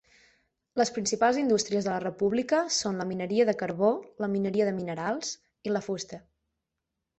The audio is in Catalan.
Les principals indústries de la república són la mineria de carbó, la mineria de minerals i la fusta.